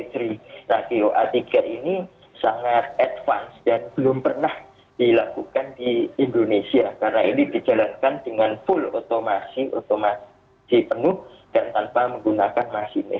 nah tiga ini sangat advance dan belum pernah dilakukan di indonesia karena ini dijalankan dengan full otomatis penuh dan tanpa menggunakan masinis